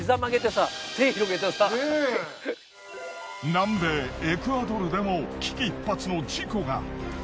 南米エクアドルでも危機一髪の事故が。